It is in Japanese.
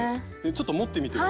ちょっと持ってみて。